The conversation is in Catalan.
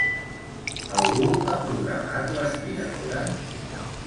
Algú ha programat l'aspiradora?